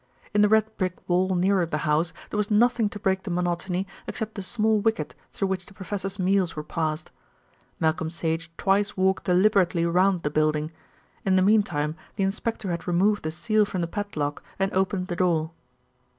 In the red brick wall nearer the house there was nothing to break the monotony except the small wicket through which the professor's meals were passed. Malcolm Sage twice walked deliberately round the building. In the meantime the inspector had removed the seal from the padlock and opened the door.